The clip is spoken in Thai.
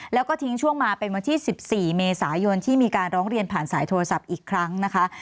แล้วก็ทิ้งช่วงมาเป็นวันที่๑๔เมษายนที่มีการร้องเรียนผ่านสายโทรศัพท์อีกครั้งนะคะ